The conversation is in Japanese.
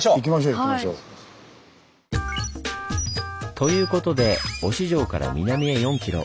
ということで忍城から南へ４ｋｍ。